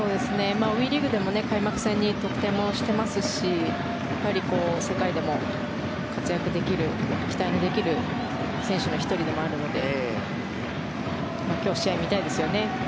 ＷＥリーグでも開幕戦で得点していますし世界でも活躍できる期待のできる選手の１人でもあるので今日、試合で見たいですよね。